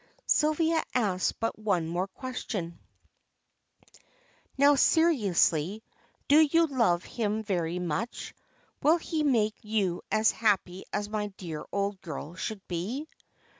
Sylvia asked but one more question "Now, seriously, do you love him very much? Will he make you as happy as my dear old girl should be?"